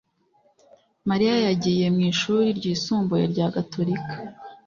Mariya yagiye mu ishuri ryisumbuye rya Gatolika